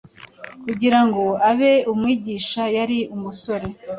kugira ngo abe umwigisha yari umusore